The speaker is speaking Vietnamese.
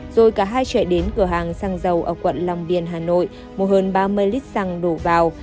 rồi cả hai chạy đến cửa hàng xăng dầu ở quận long biên hà nội mua hơn ba mươi lít xăng đổ vào